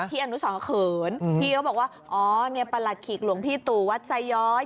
อนุสรก็เขินพี่เขาบอกว่าอ๋อเนี่ยประหลัดขีกหลวงพี่ตู่วัดไซย้อย